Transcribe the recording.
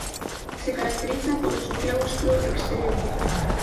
Se caracteriza por su claustro exterior.